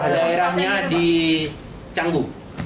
daerahnya di canggu